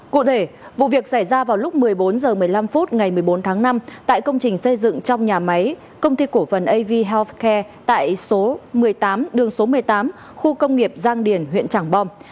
cụ thể vụ việc xảy ra vào lúc một mươi bốn h một mươi năm phút ngày một mươi bốn tháng năm tại công trình xây dựng trong nhà máy công ty cổ phần avi holfcare tại số một mươi tám đường số một mươi tám khu công nghiệp giang điền huyện trảng bom